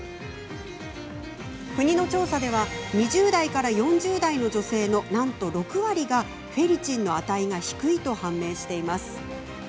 国の調査では２０代から４０代の女性のなんと６割がフェリチンの値が低いと判明しています。